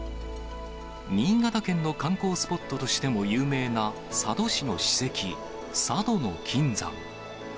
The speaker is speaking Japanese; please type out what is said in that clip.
新潟県の観光スポットとしても有名な、佐渡市の史跡、佐渡島の金山。